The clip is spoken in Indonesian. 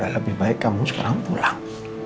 lebih baik kamu sekarang pulang